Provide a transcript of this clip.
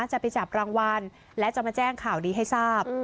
จะไปจับรางวัลและจะมาแจ้งข่าวดีให้ทราบ